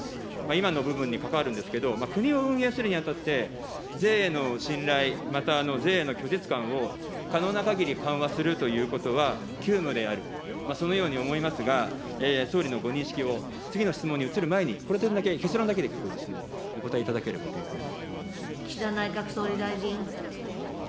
今の部分に関わるんですけど、国を運営するに当たって、税への信頼、また税の拒絶感を可能なかぎり緩和するということは急務である、そのように思いますが、総理のご認識を、次の質問に移る前に、この点だけ、結論だけで結構ですので、お答えいただければという岸田内閣総理大臣。